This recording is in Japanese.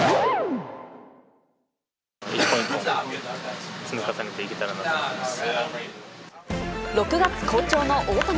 一本一本積み重ねていけたらなと思います。